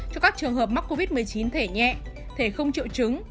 cho các trường hợp mắc covid một mươi chín thể nhẹ thể không triệu chứng